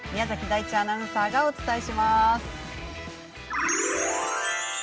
大地アナウンサーがお伝えします。